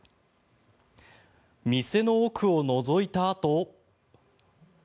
店の奥をのぞいたあと。